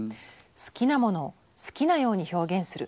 好きなものを好きなように表現する。